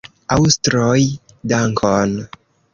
Aŭstroj, dankon!